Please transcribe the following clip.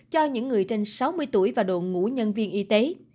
cho những người trên sáu mươi tuổi và độ ngủ nhân viên y tế